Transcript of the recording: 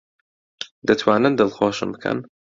دەتوانن دڵخۆشم بکەن؟